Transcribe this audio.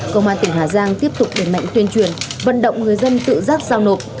công an tỉnh hà giang tiếp tục đẩy mạnh tuyên truyền vận động người dân tự giác giao nộp